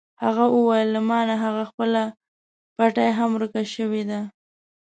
هغه وویل: له ما نه هغه خپله پټۍ هم ورکه شوې ده.